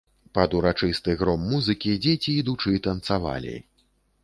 Пад урачысты гром музыкі дзеці, ідучы, танцавалі.